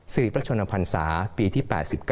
สิริประชวนภัณฑ์ศาสตร์ปีที่๘๙